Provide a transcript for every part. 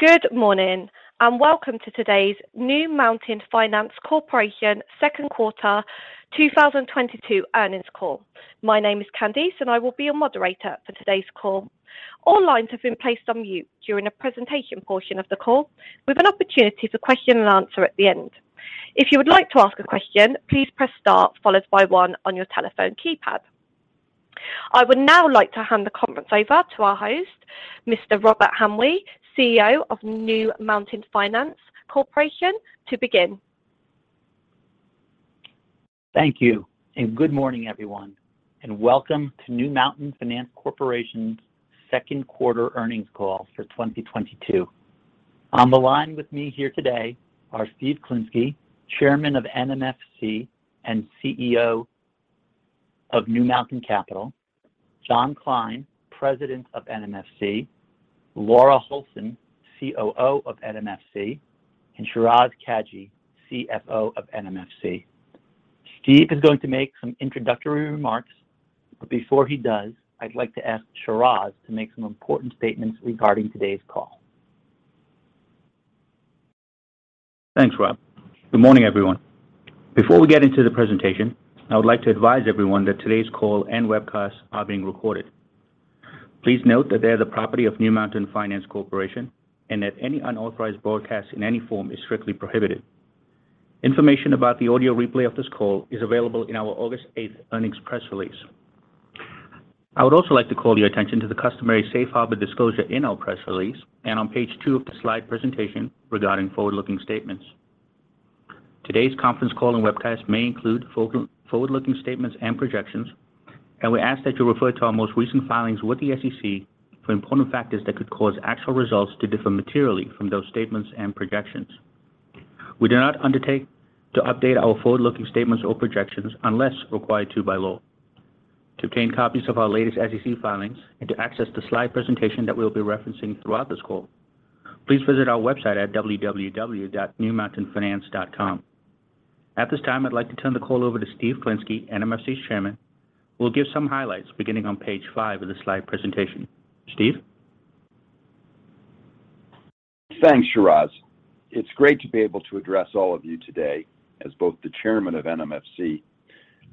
Good morning and welcome to today's New Mountain Finance Corporation second quarter 2022 earnings call. My name is Candice, and I will be your moderator for today's call. All lines have been placed on mute during the presentation portion of the call with an opportunity for question and answer at the end. If you would like to ask a question, please press star followed by one on your telephone keypad. I would now like to hand the conference over to our host, Mr. Robert Hamwee, CEO of New Mountain Finance Corporation to begin. Thank you. Good morning, everyone, and welcome to New Mountain Finance Corporation's second quarter earnings call for 2022. On the line with me here today are Steve Klinsky, Chairman of NMFC and CEO of New Mountain Capital, John Kline, President of NMFC, Laura Holson, COO of NMFC, and Shiraz Kajee, CFO of NMFC. Steve is going to make some introductory remarks, but before he does, I'd like to ask Shiraz to make some important statements regarding today's call. Thanks, Rob. Good morning, everyone. Before we get into the presentation, I would like to advise everyone that today's call and webcast are being recorded. Please note that they are the property of New Mountain Finance Corporation and that any unauthorized broadcast in any form is strictly prohibited. Information about the audio replay of this call is available in our August 8th earnings press release. I would also like to call your attention to the customary safe harbor disclosure in our press release and on page two of the slide presentation regarding forward-looking statements. Today's conference call and webcast may include forward-looking statements and projections, and we ask that you refer to our most recent filings with the SEC for important factors that could cause actual results to differ materially from those statements and projections. We do not undertake to update our forward-looking statements or projections unless required to by law. To obtain copies of our latest SEC filings and to access the slide presentation that we'll be referencing throughout this call, please visit our website at www.newmountainfinance.com. At this time, I'd like to turn the call over to Steve Klinsky, NMFC's Chairman, who will give some highlights beginning on page five of the slide presentation. Steve? Thanks, Shiraz. It's great to be able to address all of you today as both the chairman of NMFC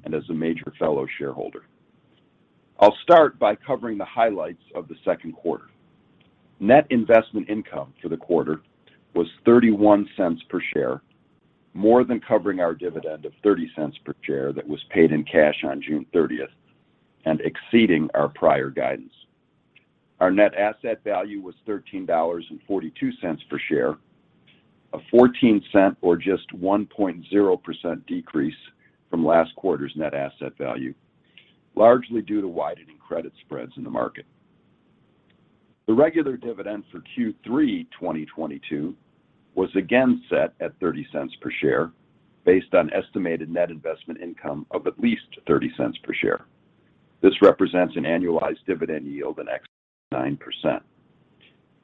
and as a major fellow shareholder. I'll start by covering the highlights of the second quarter. Net investment income for the quarter was $0.31 per share, more than covering our dividend of $0.30 per share that was paid in cash on June 30th and exceeding our prior guidance. Our net asset value was $13.42 per share, a $0.14 or just 1.0% decrease from last quarter's net asset value, largely due to widening credit spreads in the market. The regular dividend for Q3 2022 was again set at $0.30 per share based on estimated net investment income of at least $0.30 per share. This represents an annualized dividend yield in excess of 9%.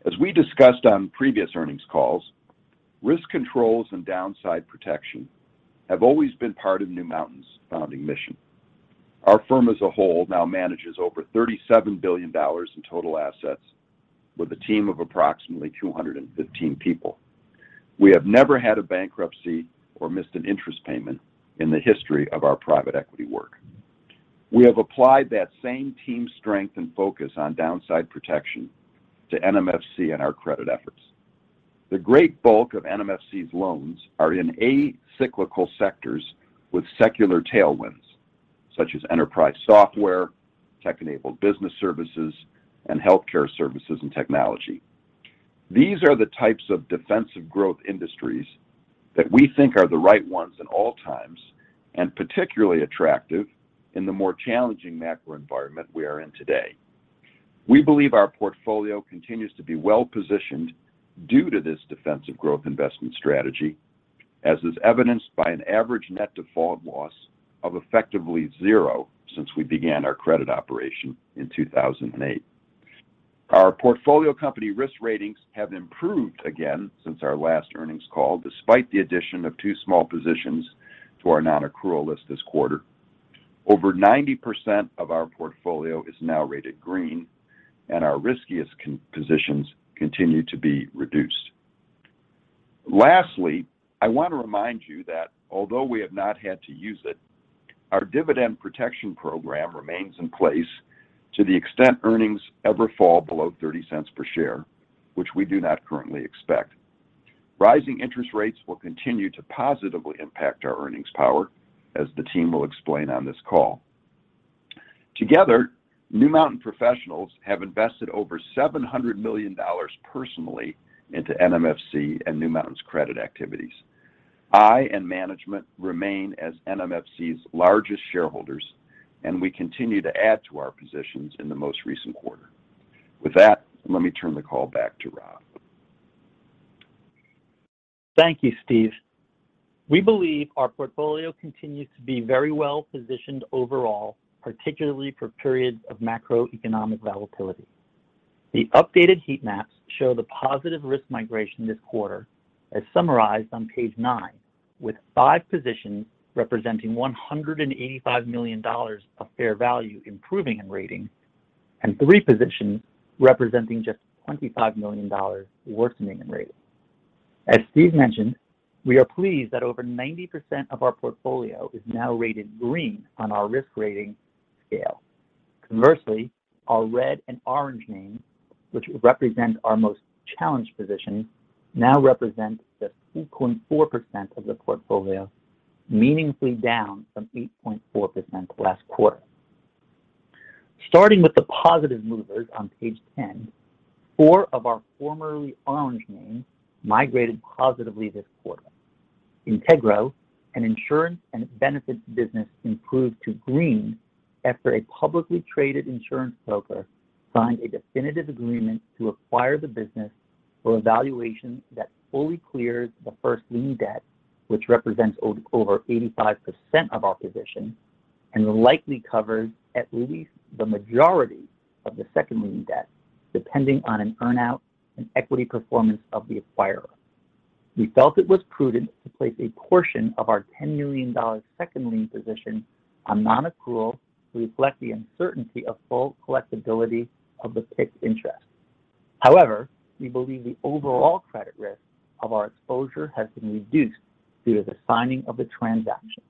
As we discussed on previous earnings calls, risk controls and downside protection have always been part of New Mountain's founding mission. Our firm as a whole now manages over $37 billion in total assets with a team of approximately 215 people. We have never had a bankruptcy or missed an interest payment in the history of our private equity work. We have applied that same team strength and focus on downside protection to NMFC and our credit efforts. The great bulk of NMFC's loans are in acyclical sectors with secular tailwinds, such as enterprise software, tech-enabled business services, and healthcare services and technology. These are the types of defensive growth industries that we think are the right ones in all times and particularly attractive in the more challenging macro environment we are in today. We believe our portfolio continues to be well-positioned due to this defensive growth investment strategy, as is evidenced by an average net default loss of effectively zero since we began our credit operation in 2008. Our portfolio company risk ratings have improved again since our last earnings call, despite the addition of two small positions to our non-accrual list this quarter. Over 90% of our portfolio is now rated green, and our riskiest positions continue to be reduced. Lastly, I want to remind you that although we have not had to use it, our dividend protection program remains in place to the extent earnings ever fall below $0.30 per share, which we do not currently expect. Rising interest rates will continue to positively impact our earnings power, as the team will explain on this call. Together, New Mountain professionals have invested over $700 million personally into NMFC and New Mountain's credit activities. I and management remain as NMFC's largest shareholders, and we continue to add to our positions in the most recent quarter. With that, let me turn the call back to Rob. Thank you, Steve. We believe our portfolio continues to be very well-positioned overall, particularly for periods of macroeconomic volatility. The updated heat maps show the positive risk migration this quarter, as summarized on page nine. With five positions representing $185 million of fair value improving in rating, and three positions representing just $25 million worsening in rating. As Steve mentioned, we are pleased that over 90% of our portfolio is now rated green on our risk rating scale. Conversely, our red and orange names, which represent our most challenged positions, now represent just 2.4% of the portfolio, meaningfully down from 8.4% last quarter. Starting with the positive movers on page 10, four of our formerly orange names migrated positively this quarter. Integro, an insurance and benefits business, improved to green after a publicly traded insurance broker signed a definitive agreement to acquire the business for a valuation that fully clears the first lien debt, which represents over 85% of our position, and likely covers at least the majority of the second lien debt, depending on an earn-out and equity performance of the acquirer. We felt it was prudent to place a portion of our $10 million second lien position on non-accrual to reflect the uncertainty of full collectibility of the PIK interest. However, we believe the overall credit risk of our exposure has been reduced due to the signing of the transaction.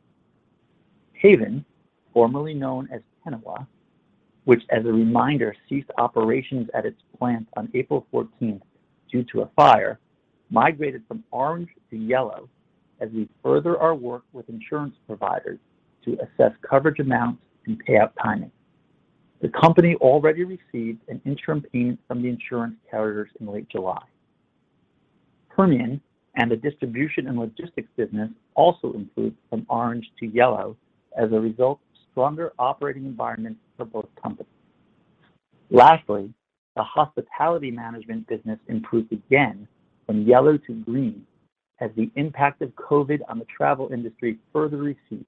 Haven, formerly known as Tenawa, which as a reminder ceased operations at its plant on April 14th due to a fire, migrated from orange to yellow as we further our work with insurance providers to assess coverage amounts and payout timing. The company already received an interim payment from the insurance carriers in late July. Permian and the distribution and logistics business also improved from orange to yellow as a result of stronger operating environments for both companies. Lastly, the hospitality management business improved again from yellow to green as the impact of COVID on the travel industry further recedes.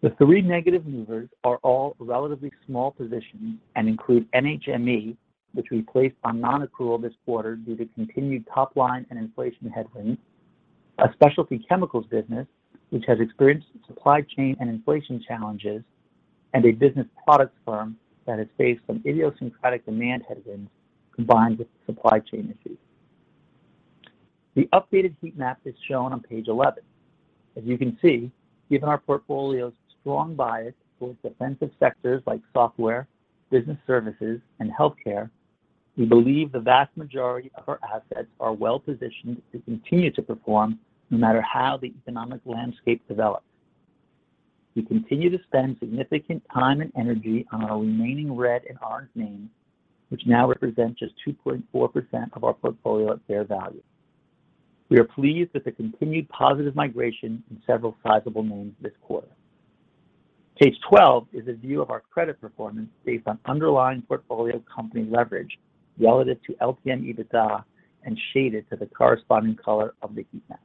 The three negative movers are all relatively small positions and include NHME, which we placed on non-accrual this quarter due to continued top line and inflation headwinds, a specialty chemicals business, which has experienced supply chain and inflation challenges, and a business products firm that has faced some idiosyncratic demand headwinds combined with supply chain issues. The updated heat map is shown on page 11. As you can see, given our portfolio's strong bias towards defensive sectors like software, business services, and healthcare, we believe the vast majority of our assets are well-positioned to continue to perform no matter how the economic landscape develops. We continue to spend significant time and energy on our remaining red and orange names, which now represent just 2.4% of our portfolio at fair value. We are pleased with the continued positive migration in several sizable names this quarter. Page 12 is a view of our credit performance based on underlying portfolio company leverage relative to LTM EBITDA and shaded to the corresponding color of the heat map.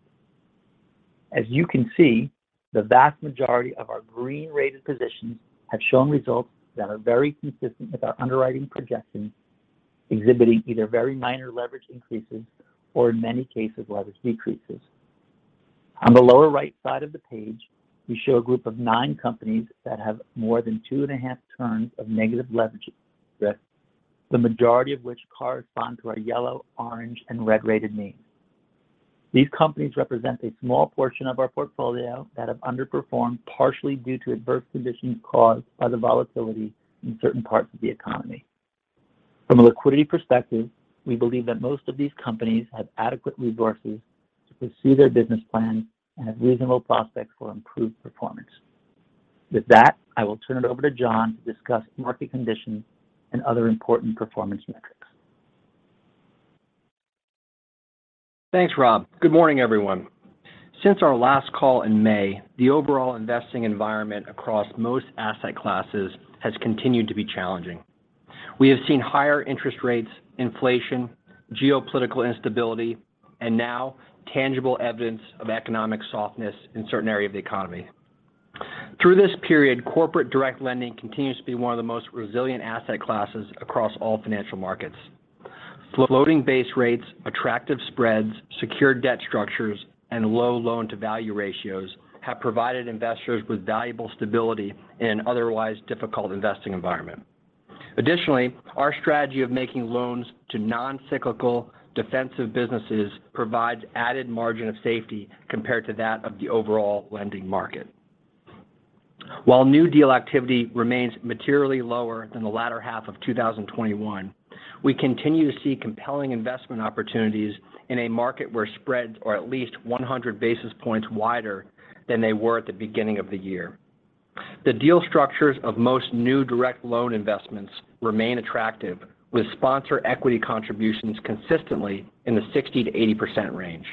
As you can see, the vast majority of our green-rated positions have shown results that are very consistent with our underwriting projections, exhibiting either very minor leverage increases or in many cases leverage decreases. On the lower right side of the page, we show a group of nine companies that have more than 2.5 turns of negative leverage risk, the majority of which correspond to our yellow, orange, and red-rated names. These companies represent a small portion of our portfolio that have underperformed partially due to adverse conditions caused by the volatility in certain parts of the economy. From a liquidity perspective, we believe that most of these companies have adequate resources to pursue their business plan and have reasonable prospects for improved performance. With that, I will turn it over to John to discuss market conditions and other important performance metrics. Thanks, Rob. Good morning, everyone. Since our last call in May, the overall investing environment across most asset classes has continued to be challenging. We have seen higher interest rates, inflation, geopolitical instability, and now tangible evidence of economic softness in certain areas of the economy. Through this period, corporate direct lending continues to be one of the most resilient asset classes across all financial markets. Floating base rates, attractive spreads, secured debt structures, and low loan-to-value ratios have provided investors with valuable stability in an otherwise difficult investing environment. Additionally, our strategy of making loans to non-cyclical defensive businesses provides added margin of safety compared to that of the overall lending market. While new deal activity remains materially lower than the latter half of 2021, we continue to see compelling investment opportunities in a market where spreads are at least 100 basis points wider than they were at the beginning of the year. The deal structures of most new direct loan investments remain attractive, with sponsor equity contributions consistently in the 60%-80% range.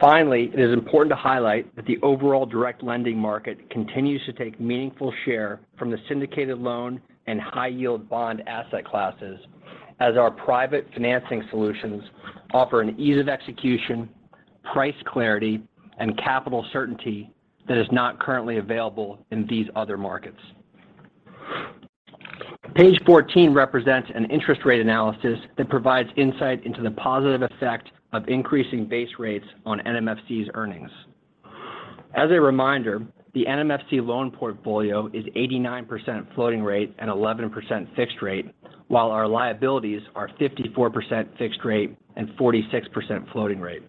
Finally, it is important to highlight that the overall direct lending market continues to take meaningful share from the syndicated loan and high-yield bond asset classes as our private financing solutions offer an ease of execution, price clarity, and capital certainty that is not currently available in these other markets. Page 14 represents an interest rate analysis that provides insight into the positive effect of increasing base rates on NMFC's earnings. As a reminder, the NMFC loan portfolio is 89% floating rate and 11% fixed rate, while our liabilities are 54% fixed rate and 46% floating rate.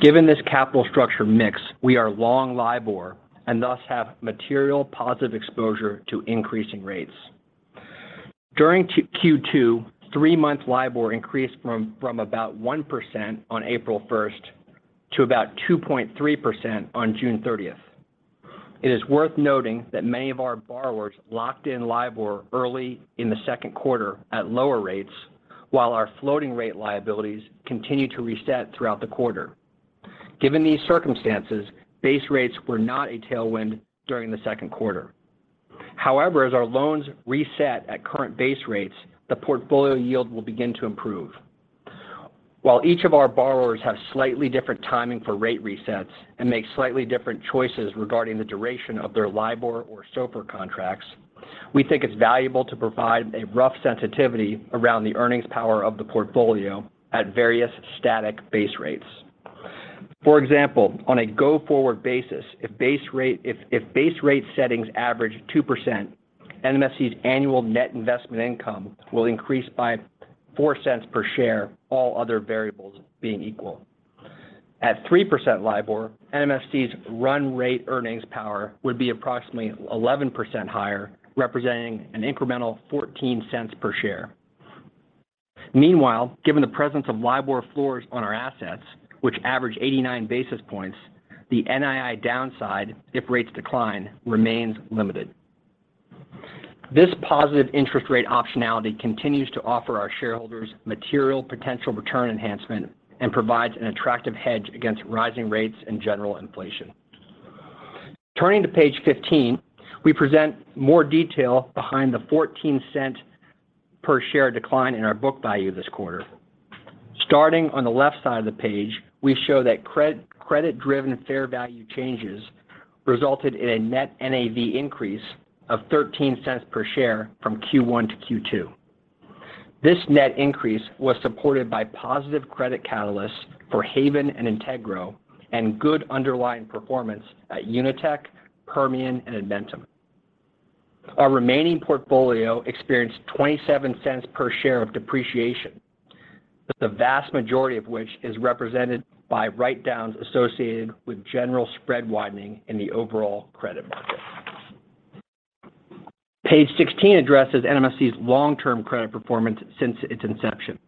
Given this capital structure mix, we are long LIBOR and thus have material positive exposure to increasing rates. During Q2, three-month LIBOR increased from about 1% on April 1st to about 2.3% on June 30th. It is worth noting that many of our borrowers locked in LIBOR early in the second quarter at lower rates while our floating rate liabilities continued to reset throughout the quarter. Given these circumstances, base rates were not a tailwind during the second quarter. However, as our loans reset at current base rates, the portfolio yield will begin to improve. While each of our borrowers have slightly different timing for rate resets and make slightly different choices regarding the duration of their LIBOR or SOFR contracts, we think it's valuable to provide a rough sensitivity around the earnings power of the portfolio at various static base rates. For example, on a go-forward basis, if base rate settings average 2%, NMFC's annual net investment income will increase by $0.04 per share, all other variables being equal. At 3% LIBOR, NMFC's run rate earnings power would be approximately 11% higher, representing an incremental $0.14 per share. Meanwhile, given the presence of LIBOR floors on our assets, which average 89 basis points, the NII downside, if rates decline, remains limited. This positive interest rate optionality continues to offer our shareholders material potential return enhancement and provides an attractive hedge against rising rates and general inflation. Turning to page 15, we present more detail behind the $0.14 per share decline in our book value this quarter. Starting on the left side of the page, we show that credit-driven fair value changes resulted in a net NAV increase of $0.13 per share from Q1 to Q2. This net increase was supported by positive credit catalysts for Haven and Integro and good underlying performance at UniTek, Permian, and Edmentum. Our remaining portfolio experienced $0.27 per share of depreciation. The vast majority of which is represented by write-downs associated with general spread widening in the overall credit market. Page 16 addresses NMFC's long-term credit performance since its inception.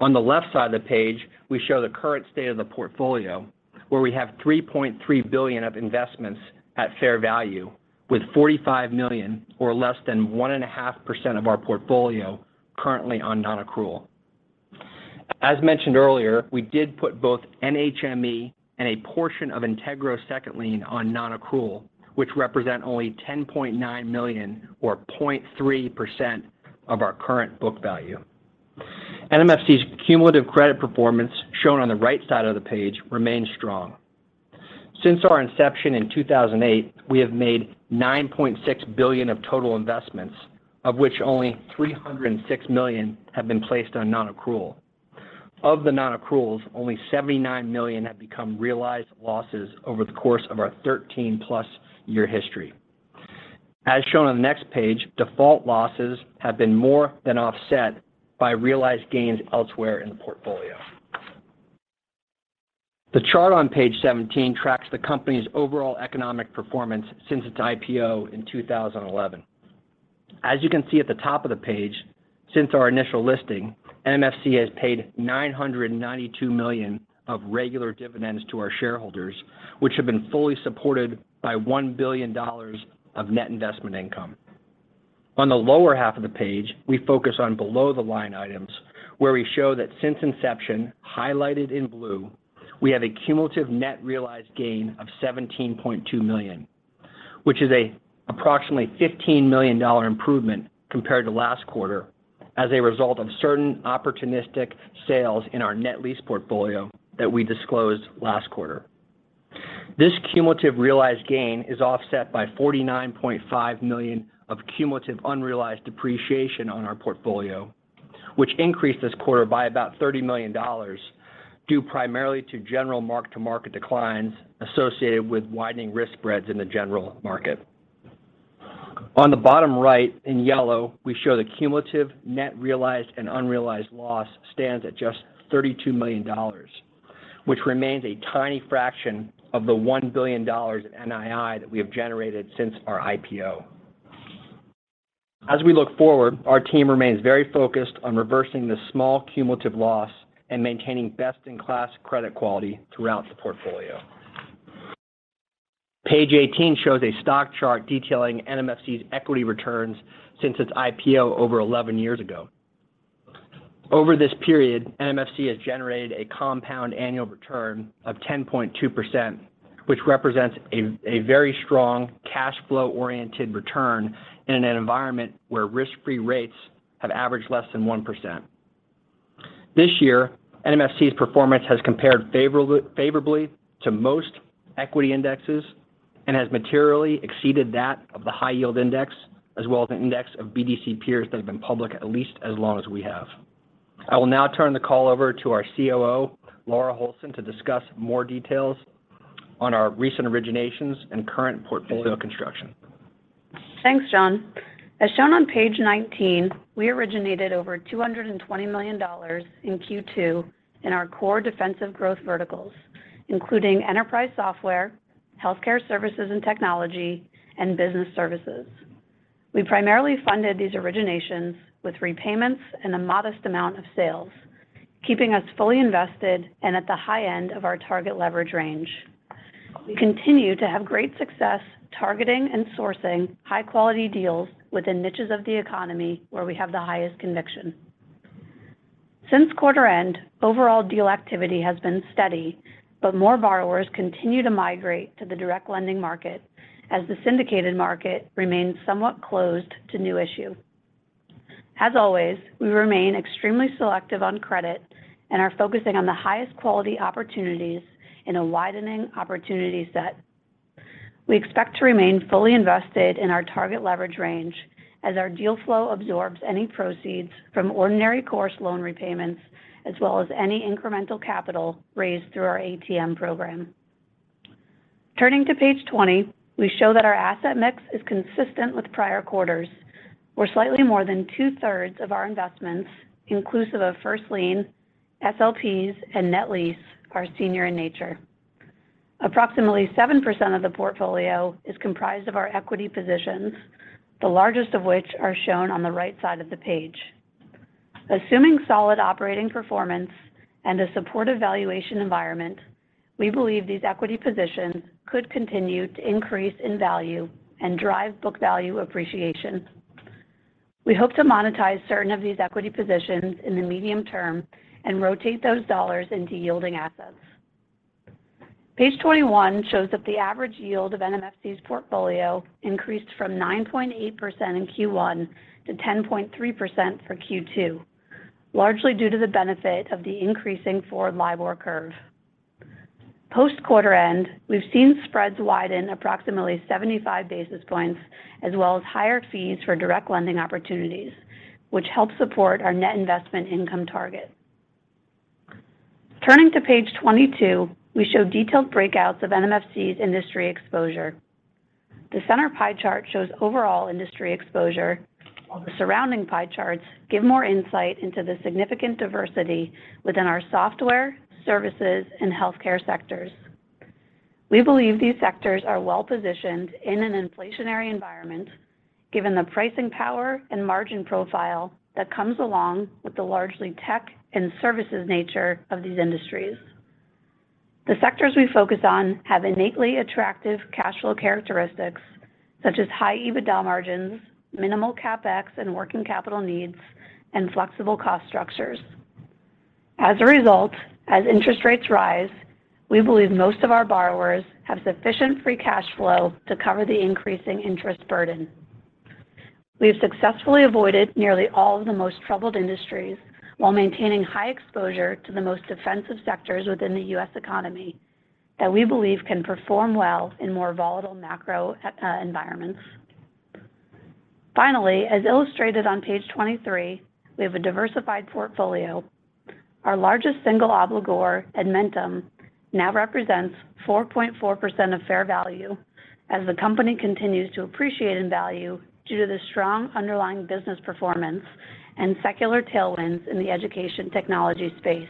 On the left side of the page, we show the current state of the portfolio, where we have $3.3 billion of investments at fair value, with $45 million or less than 1.5% of our portfolio currently on non-accrual. As mentioned earlier, we did put both NHME and a portion of Integro's second lien on non-accrual, which represent only $10.9 million or 0.3% of our current book value. NMFC's cumulative credit performance, shown on the right side of the page, remains strong. Since our inception in 2008, we have made $9.6 billion of total investments, of which only $306 million have been placed on non-accrual. Of the non-accruals, only $79 million have become realized losses over the course of our 13+ year history. As shown on the next page, default losses have been more than offset by realized gains elsewhere in the portfolio. The chart on page 17 tracks the company's overall economic performance since its IPO in 2011. As you can see at the top of the page, since our initial listing, NMFC has paid $992 million of regular dividends to our shareholders, which have been fully supported by $1 billion of net investment income. On the lower half of the page, we focus on below-the-line items, where we show that since inception, highlighted in blue, we have a cumulative net realized gain of $17.2 million, which is approximately $15 million improvement compared to last quarter as a result of certain opportunistic sales in our net lease portfolio that we disclosed last quarter. This cumulative realized gain is offset by $49.5 million of cumulative unrealized depreciation on our portfolio, which increased this quarter by about $30 million due primarily to general mark-to-market declines associated with widening risk spreads in the general market. On the bottom right in yellow, we show the cumulative net realized and unrealized loss stands at just $32 million, which remains a tiny fraction of the $1 billion of NII that we have generated since our IPO. As we look forward, our team remains very focused on reversing this small cumulative loss and maintaining best-in-class credit quality throughout the portfolio. Page 18 shows a stock chart detailing NMFC's equity returns since its IPO over 11 years ago. Over this period, NMFC has generated a compound annual return of 10.2%, which represents a very strong cash flow-oriented return in an environment where risk-free rates have averaged less than 1%. This year, NMFC's performance has compared favorably to most equity indexes and has materially exceeded that of the high yield index, as well as the index of BDC peers that have been public at least as long as we have. I will now turn the call over to our COO, Laura Holson, to discuss more details on our recent originations and current portfolio construction. Thanks, John. As shown on page 19, we originated over $220 million in Q2 in our core defensive growth verticals, including enterprise software, healthcare services and technology, and business services. We primarily funded these originations with repayments and a modest amount of sales. Keeping us fully invested and at the high end of our target leverage range. We continue to have great success targeting and sourcing high-quality deals within niches of the economy where we have the highest conviction. Since quarter end, overall deal activity has been steady, but more borrowers continue to migrate to the direct lending market as the syndicated market remains somewhat closed to new issue. As always, we remain extremely selective on credit and are focusing on the highest quality opportunities in a widening opportunity set. We expect to remain fully invested in our target leverage range as our deal flow absorbs any proceeds from ordinary course loan repayments as well as any incremental capital raised through our ATM program. Turning to page 20, we show that our asset mix is consistent with prior quarters, where slightly more than 2/3 of our investments, inclusive of first lien, SLPs, and net lease, are senior in nature. Approximately 7% of the portfolio is comprised of our equity positions, the largest of which are shown on the right side of the page. Assuming solid operating performance and a supportive valuation environment, we believe this equity positions could continue to increase in value and drive book value appreciation. We hope to monetize certain of these equity positions in the medium term and rotate those dollars into yielding assets. Page 21 shows that the average yield of NMFC's portfolio increased from 9.8% in Q1 to 10.3% for Q2, largely due to the benefit of the increasing forward LIBOR curve. Post-quarter end, we've seen spreads widen approximately 75 basis points as well as higher fees for direct lending opportunities, which help support our net investment income target. Turning to page 22, we show detailed breakouts of NMFC's industry exposure. The center pie chart shows overall industry exposure, while the surrounding pie charts give more insight into the significant diversity within our software, services, and healthcare sectors. We believe these sectors are well-positioned in an inflationary environment given the pricing power and margin profile that comes along with the largely tech and services nature of these industries. The sectors we focus on have innately attractive cash flow characteristics such as high EBITDA margins, minimal CapEx and working capital needs, and flexible cost structures. As a result, as interest rates rise, we believe most of our borrowers have sufficient free cash flow to cover the increasing interest burden. We've successfully avoided nearly all of the most troubled industries while maintaining high exposure to the most defensive sectors within the U.S. economy that we believe can perform well in more volatile macro environments. Finally, as illustrated on page 23, we have a diversified portfolio. Our largest single obligor, Edmentum, now represents 4.4% of fair value as the company continues to appreciate in value due to the strong underlying business performance and secular tailwinds in the education technology space.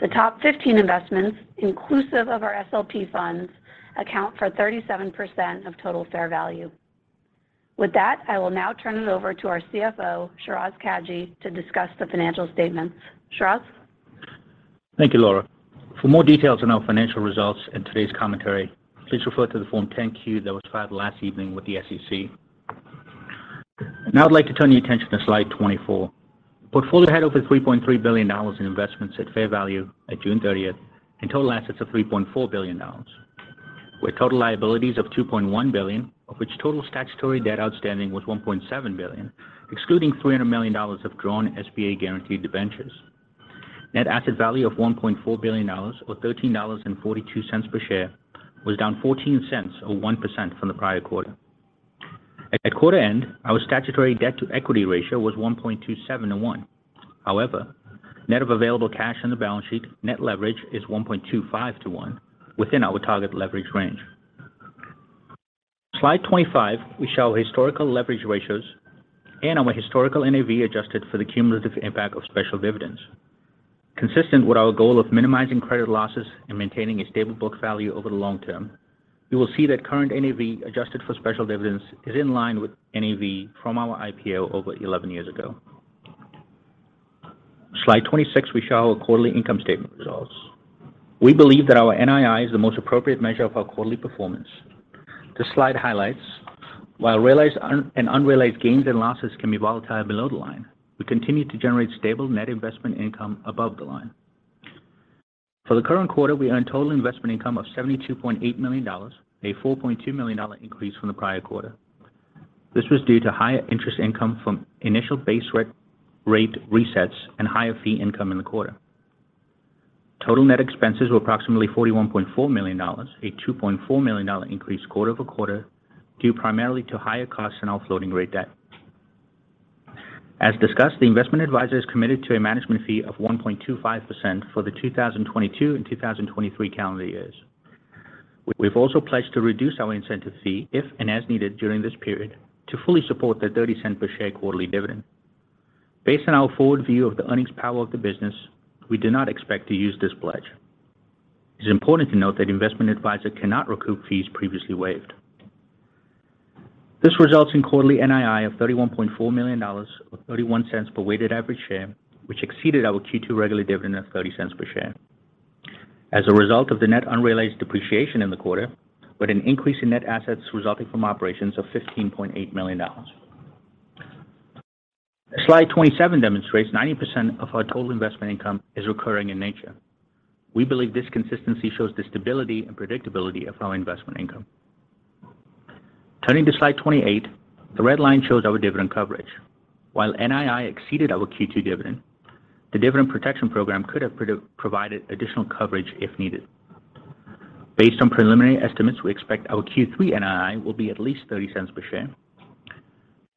The top 15 investments inclusive of our SLP funds account for 37% of total fair value. With that, I will now turn it over to our CFO, Shiraz Kajee, to discuss the financial statements. Shiraz? Thank you, Laura. For more details on our financial results and today's commentary, please refer to the Form 10-Q that was filed last evening with the SEC. Now I'd like to turn your attention to slide 24. Portfolio had over $3.3 billion in investments at fair value at June 30th, and total assets of $3.4 billion. With total liabilities of $2.1 billion, of which total statutory debt outstanding was $1.7 billion, excluding $300 million of drawn SBA guaranteed debentures. Net asset value of $1.4 billion or $13.42 per share was down $0.14 or 1% from the prior quarter. At quarter end, our statutory debt to equity ratio was 1.27 to 1. However, net of available cash on the balance sheet, net leverage is 1.25 to 1 within our target leverage range. Slide 25, we show historical leverage ratios and our historical NAV adjusted for the cumulative impact of special dividends. Consistent with our goal of minimizing credit losses and maintaining a stable book value over the long term, you will see that current NAV adjusted for special dividends is in line with NAV from our IPO over 11 years ago. Slide 26, we show our quarterly income statement results. We believe that our NII is the most appropriate measure of our quarterly performance. The slide highlights while realized and unrealized gains and losses can be volatile below the line, we continue to generate stable net investment income above the line. For the current quarter, we earned total investment income of $72.8 million, a $4.2 million increase from the prior quarter. This was due to higher interest income from initial base re-rate resets and higher fee income in the quarter. Total net expenses were approximately $41.4 million, a $2.4 million increase quarter-over-quarter, due primarily to higher costs in our floating rate debt. As discussed, the investment advisor is committed to a management fee of 1.25% for the 2022 and 2023 calendar years. We've also pledged to reduce our incentive fee, if and as needed during this period, to fully support the $0.30 per share quarterly dividend. Based on our forward view of the earnings power of the business, we do not expect to use this pledge. It's important to note that investment advisor cannot recoup fees previously waived. This results in quarterly NII of $31.4 million, or $0.31 per weighted average share, which exceeded our Q2 regular dividend of $0.30 per share. As a result of the net unrealized depreciation in the quarter, with an increase in net assets resulting from operations of $15.8 million. Slide 27 demonstrates 90% of our total investment income is recurring in nature. We believe this consistency shows the stability and predictability of our investment income. Turning to slide 28, the red line shows our dividend coverage. While NII exceeded our Q2 dividend, the dividend protection program could have provided additional coverage if needed. Based on preliminary estimates, we expect our Q3 NII will be at least $0.30 per share.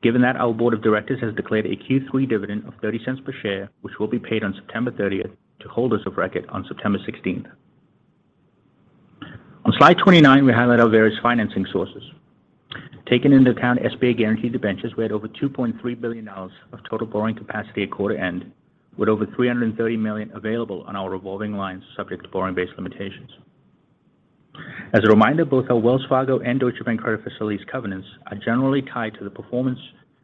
Given that, our Board of Directors has declared a Q3 dividend of $0.30 per share, which will be paid on September 30th to holders of record on September 16th. On slide 29, we highlight our various financing sources. Taking into account SBA guaranteed debentures, we had over $2.3 billion of total borrowing capacity at quarter end, with over $330 million available on our revolving lines subject to borrowing-based limitations. As a reminder, both our Wells Fargo and Deutsche Bank credit facilities covenants are generally tied to the performance,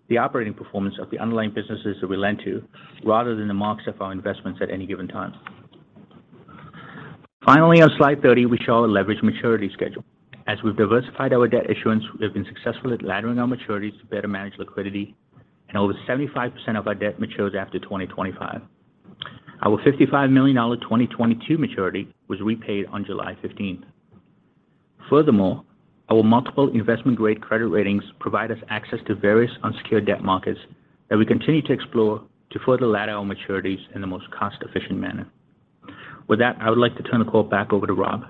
the operating performance of the underlying businesses that we lend to, rather than the marks of our investments at any given time. Finally, on slide 30, we show our leverage maturity schedule. As we've diversified our debt issuance, we have been successful at laddering our maturities to better manage liquidity, and over 75% of our debt matures after 2025. Our $55 million 2022 maturity was repaid on July 15th. Furthermore, our multiple investment-grade credit ratings provide us access to various unsecured debt markets that we continue to explore to further ladder our maturities in the most cost-efficient manner. With that, I would like to turn the call back over to Rob.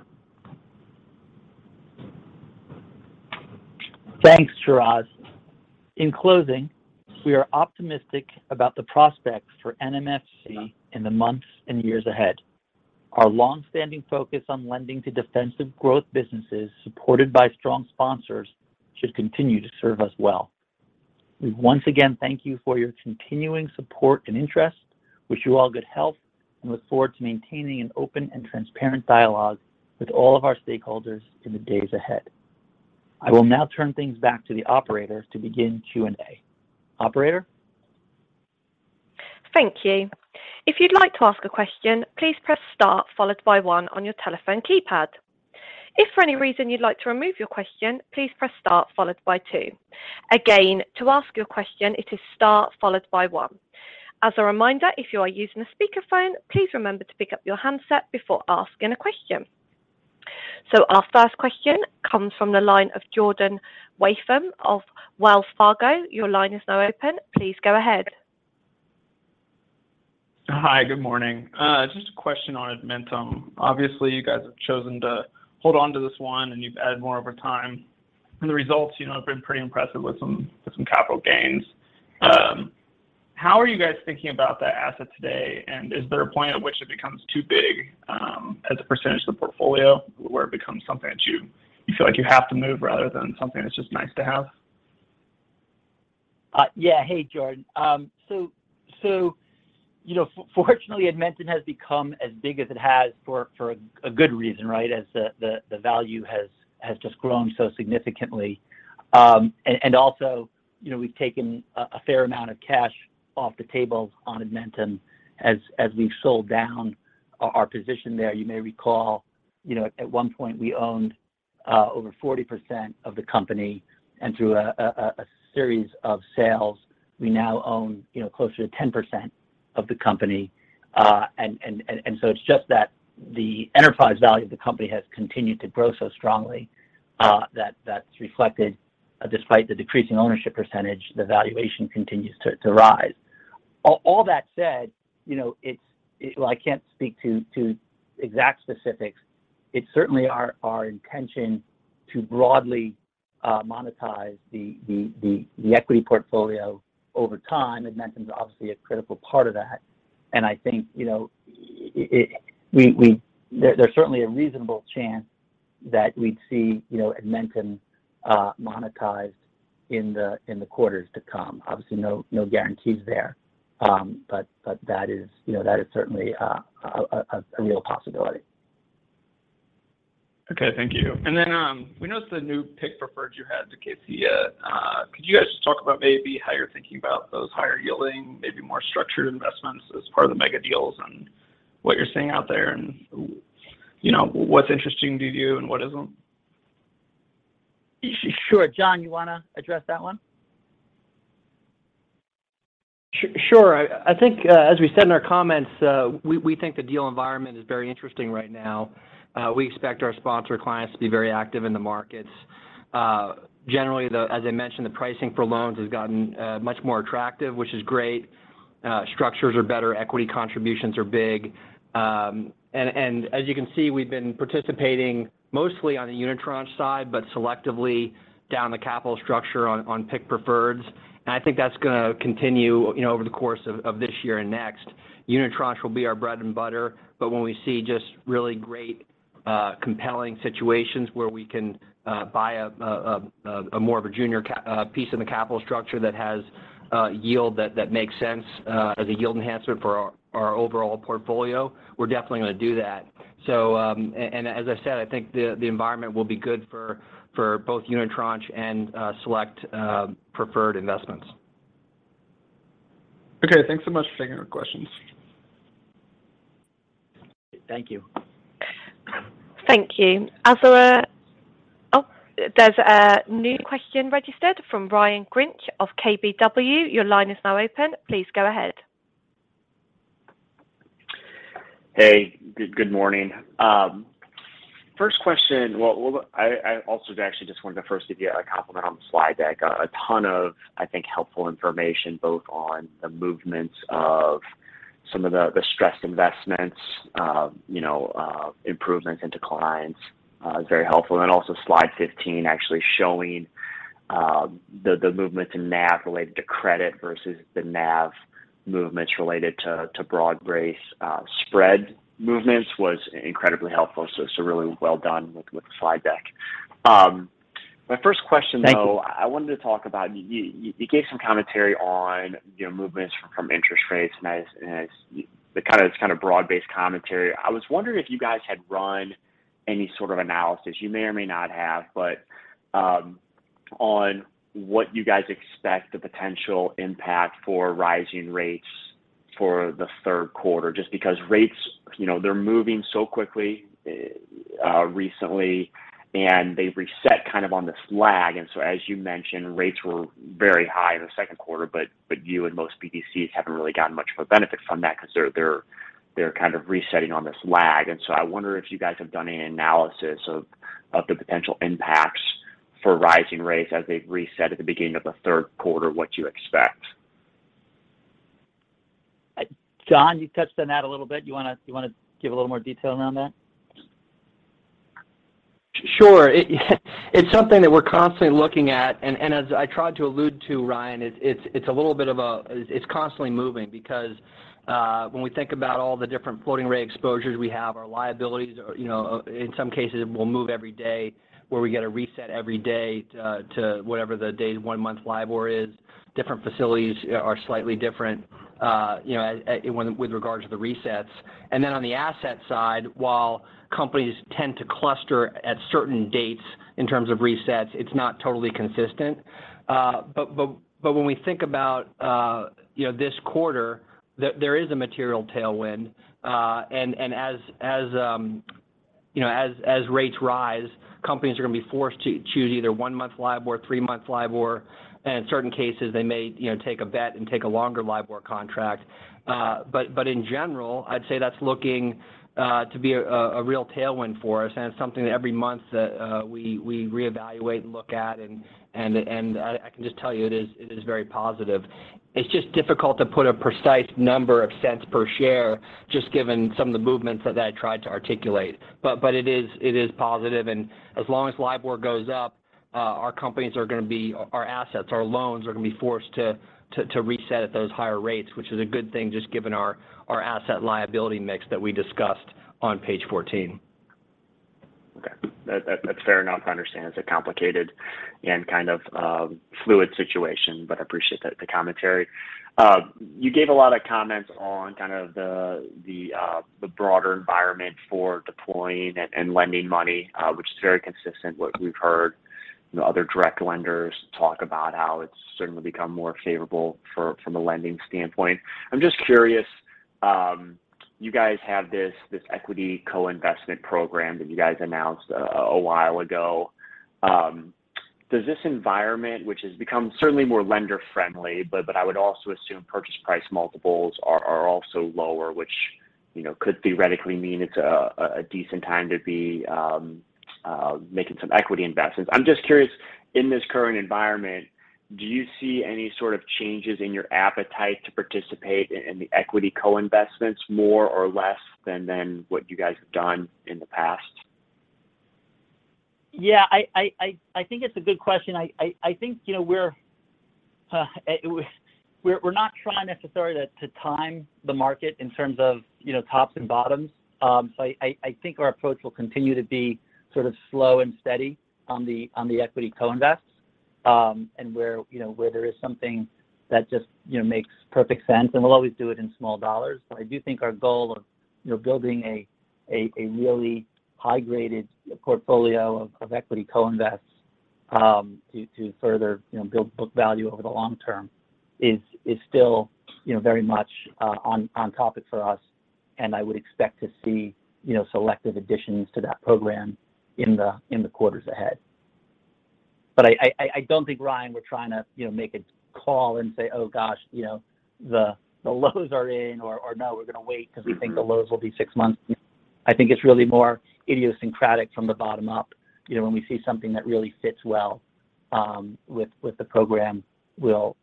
Thanks, Shiraz. In closing, we are optimistic about the prospects for NMFC in the months and years ahead. Our longstanding focus on lending to defensive growth businesses supported by strong sponsors should continue to serve us well. We once again thank you for your continuing support and interest, wish you all good health, and look forward to maintaining an open and transparent dialogue with all of our stakeholders in the days ahead. I will now turn things back to the operator to begin Q&A. Operator? Thank you. If you'd like to ask a question, please press star followed by one on your telephone keypad. If for any reason you'd like to remove your question, please press star followed by two. Again, to ask your question, it is star followed by one. As a reminder, if you are using a speakerphone, please remember to pick up your handset before asking a question. Our first question comes from the line of Jordan Wathen of Wells Fargo. Your line is now open. Please go ahead. Hi, good morning. Just a question on Edmentum. Obviously, you guys have chosen to hold on to this one and you've added more over time, and the results, you know, have been pretty impressive with some capital gains. How are you guys thinking about that asset today, and is there a point at which it becomes too big, as a percentage of the portfolio where it becomes something that you feel like you have to move rather than something that's just nice to have? Hey, Jordan. Fortunately, Edmentum has become as big as it has for a good reason, right? As the value has just grown so significantly. Also, you know, we've taken a fair amount of cash off the table on Edmentum as we've sold down our position there. You may recall, you know, at one point we owned over 40% of the company, and through a series of sales, we now own, you know, closer to 10% of the company. It's just that the enterprise value of the company has continued to grow so strongly that that's reflected, despite the decrease in ownership percentage, the valuation continues to rise. All that said, you know, it's well, I can't speak to exact specifics. It's certainly our intention to broadly monetize the equity portfolio over time. Edmentum's obviously a critical part of that. I think, you know, there’s certainly a reasonable chance that we'd see, you know, Edmentum monetized in the quarters to come. Obviously, no guarantees there. But that is, you know, that is certainly a real possibility. Okay, thank you. We noticed a new PIK preferred you had to Kaseya. Could you guys just talk about maybe how you're thinking about those higher yielding, maybe more structured investments as part of the mega deals and what you're seeing out there and, you know, what's interesting to you and what isn't? Sure. John, you wanna address that one? Sure. I think, as we said in our comments, we think the deal environment is very interesting right now. We expect our sponsor clients to be very active in the markets. Generally, as I mentioned, the pricing for loans has gotten much more attractive, which is great. Structures are better, equity contributions are big. As you can see, we've been participating mostly on the unitranche side, but selectively down the capital structure on PIK preferreds. I think that's gonna continue, you know, over the course of this year and next. Unitranche will be our bread and butter, but when we see just really great compelling situations where we can buy a more of a junior piece of the capital structure that has yield that makes sense as a yield enhancer for our overall portfolio, we're definitely gonna do that. I think the environment will be good for both unitranche and select preferred investments. Okay. Thanks so much for taking our questions. Thank you. Thank you. There's a new question registered from Ryan Lynch of KBW. Your line is now open. Please go ahead. Hey. Good morning. First question. Well, I also actually just wanted to first give you a compliment on the slide deck. A ton of, I think, helpful information, both on the movements of some of the stressed investments, improvements and declines, is very helpful. Also slide 15 actually showing, the movement in NAV related to credit versus the NAV movements related to broad-based spread movements was incredibly helpful. Really well done with the slide deck. My first question though- Thank you. I wanted to talk about you. You gave some commentary on, you know, movements from interest rates and as this kind of broad-based commentary. I was wondering if you guys had run any sort of analysis, you may or may not have, but on what you guys expect the potential impact for rising rates for the third quarter. Just because rates, you know, they're moving so quickly recently, and they've reset kind of on this lag. As you mentioned, rates were very high in the second quarter, but you and most BDCs haven't really gotten much of a benefit from that because they're kind of resetting on this lag. I wonder if you guys have done any analysis of the potential impacts for rising rates as they've reset at the beginning of the third quarter, what you expect. John, you touched on that a little bit. You wanna give a little more detail around that? Sure. Yeah, it's something that we're constantly looking at and as I tried to allude to Ryan, it's a little bit of a. It's constantly moving because when we think about all the different floating rate exposures we have, our liabilities are, you know, in some cases will move every day, where we get a reset every day to whatever the day one month LIBOR is. Different facilities are slightly different, you know, with regards to the resets. Then on the asset side, while companies tend to cluster at certain dates in terms of resets, it's not totally consistent. But when we think about this quarter, there is a material tailwind. As rates rise, companies are gonna be forced to choose either one-month LIBOR, three-month LIBOR, and in certain cases, they may, you know, take a bet and take a longer LIBOR contract. In general, I'd say that's looking to be a real tailwind for us, and it's something that every month that we reevaluate and look at. I can just tell you, it is very positive. It's just difficult to put a precise number of cents per share, just given some of the movements that I tried to articulate. It is positive. As long as LIBOR goes up, our assets, our loans are gonna be forced to reset at those higher rates, which is a good thing just given our asset liability mix that we discussed on page 14. Okay. That's fair enough. I understand it's a complicated and kind of fluid situation, but I appreciate the commentary. You gave a lot of comments on kind of the broader environment for deploying and lending money, which is very consistent with what we've heard, you know, other direct lenders talk about how it's certainly become more favorable from a lending standpoint. I'm just curious, you guys have this equity co-investment program that you guys announced a while ago. Does this environment, which has become certainly more lender-friendly, but I would also assume purchase price multiples are also lower, which, you know, could theoretically mean it's a decent time to be making some equity investments. I'm just curious, in this current environment, do you see any sort of changes in your appetite to participate in the equity co-investments more or less than what you guys have done in the past? Yeah. I think it's a good question. I think you know we're not trying necessarily to time the market in terms of you know tops and bottoms. I think our approach will continue to be sort of slow and steady on the equity co-invest and where you know there is something that just you know makes perfect sense and we'll always do it in small dollars. I do think our goal of you know building a really high-graded portfolio of equity co-invest to further you know build book value over the long term is still you know very much on topic for us, and I would expect to see you know selective additions to that program in the quarters ahead. I don't think, Ryan, we're trying to you know make a call and say, "Oh gosh, you know the lows are in," or "Now we're gonna wait 'cause we think the lows will be in six months." I think it's really more idiosyncratic from the bottom up. You know when we see something that really fits well with the program, we'll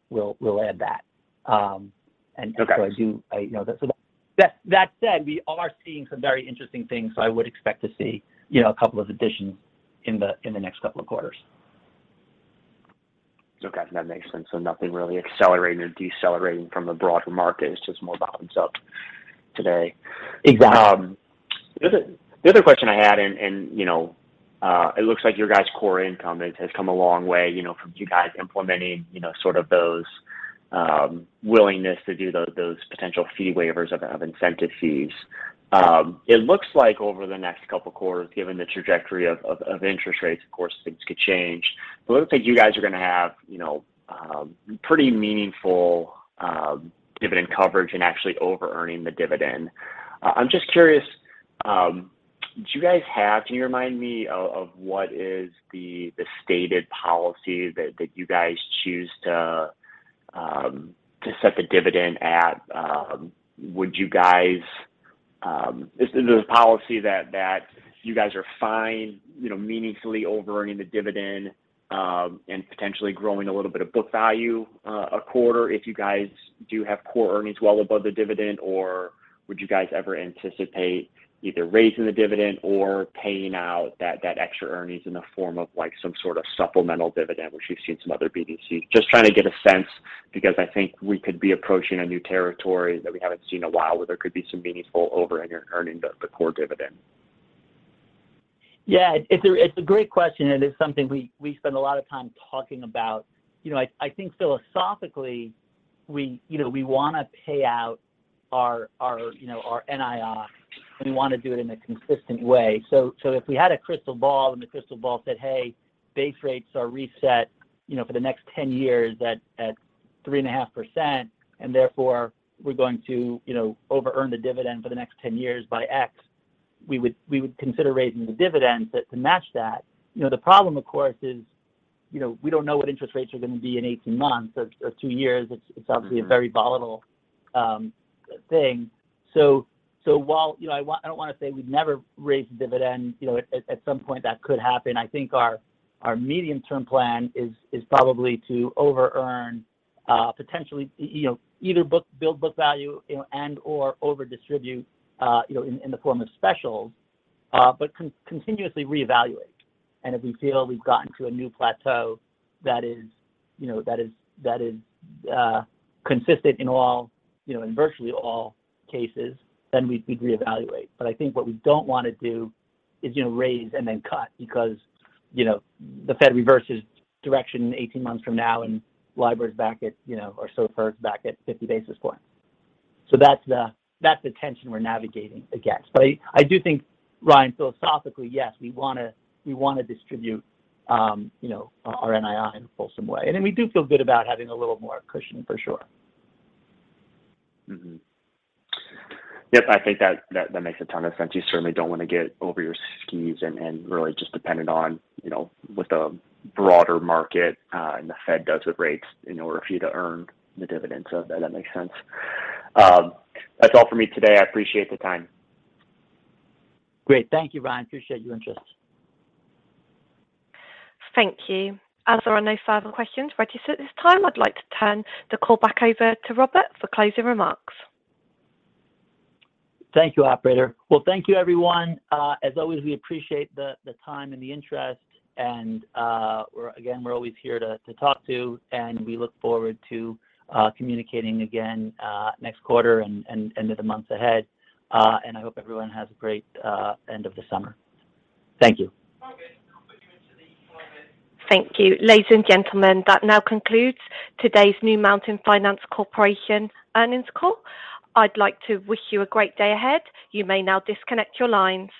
add that. Okay. I know that. That said, we are seeing some very interesting things, so I would expect to see, you know, a couple of additions in the next couple of quarters. Okay. That makes sense. Nothing really accelerating or decelerating from the broader market. It's just more bottoms up today. Exactly. The other question I had, and you know, it looks like your guys' core income has come a long way, you know, from you guys implementing, you know, sort of those willingness to do those potential fee waivers of incentive fees. It looks like over the next couple quarters, given the trajectory of interest rates, of course things could change. It looks like you guys are gonna have, you know, pretty meaningful dividend coverage and actually over earning the dividend. I'm just curious, do you guys have to remind me of what is the stated policy that you guys choose to set the dividend at? Would you guys. Is it a policy that you guys are fine, you know, meaningfully over earning the dividend, and potentially growing a little bit of book value a quarter if you guys do have core earnings well above the dividend, or would you guys ever anticipate either raising the dividend or paying out that extra earnings in the form of like some sort of supplemental dividend, which we've seen some other BDCs? Just trying to get a sense because I think we could be approaching a new territory that we haven't seen in a while, where there could be some meaningful over earning the core dividend. Yeah. It's a great question, and it's something we spend a lot of time talking about. You know, I think philosophically we, you know, we wanna pay out our you know our NII, and we wanna do it in a consistent way. So if we had a crystal ball and the crystal ball said, "Hey, base rates are reset, you know, for the next 10 years at 3.5%, and therefore we're going to, you know, over earn the dividend for the next 10 years by X," we would consider raising the dividends to match that. You know, the problem of course is, you know, we don't know what interest rates are gonna be in 18 months or two years. It's. Mm-hmm. It's obviously a very volatile thing. While, you know, I don't wanna say we'd never raise the dividend. You know, at some point that could happen. I think our medium-term plan is probably to over earn, potentially, you know, either build book value, you know, and/or over distribute, you know, in the form of specials, but continuously reevaluate. If we feel we've gotten to a new plateau that is, you know, consistent in all, you know, in virtually all cases, then we'd reevaluate. I think what we don't wanna do is, you know, raise and then cut because, you know, the Fed reverses direction 18 months from now and LIBOR is back at, you know, or SOFR is back at 50 basis points. That's the tension we're navigating against. I do think, Ryan, philosophically, yes, we wanna distribute, you know, our NII in a fulsome way. Then we do feel good about having a little more cushion, for sure. Mm-hmm. Yep. I think that makes a ton of sense. You certainly don't wanna get over your skis and really just dependent on, you know, what the broader market and the Fed does with rates in order for you to earn the dividends. That makes sense. That's all for me today. I appreciate the time. Great. Thank you, Ryan. Appreciate your interest. Thank you. As there are no further questions registered at this time, I'd like to turn the call back over to Robert for closing remarks. Thank you, operator. Well, thank you everyone. As always, we appreciate the time and the interest, and we're always here to talk to, and we look forward to communicating again next quarter and into the months ahead. I hope everyone has a great end of the summer. Thank you. Thank you. Ladies and gentlemen, that now concludes today's New Mountain Finance Corporation earnings call. I'd like to wish you a great day ahead. You may now disconnect your lines.